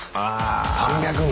３００人！